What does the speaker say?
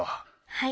はい。